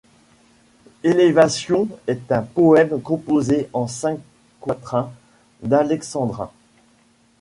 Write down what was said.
Élévation est un poème composé en cinq quatrains d'alexandrins.